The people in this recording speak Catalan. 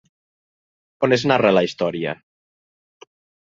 On es narra la història?